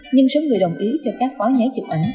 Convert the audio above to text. nhưng số người đồng ý cho các phó nháy chụp ảnh